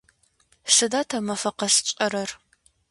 Сыда тэ мафэ къэс тшӏэрэр?